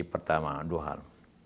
pertama dua hal